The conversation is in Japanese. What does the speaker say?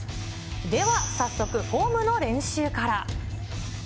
では、早速フォームの練習から。